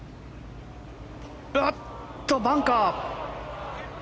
おっと、バンカー。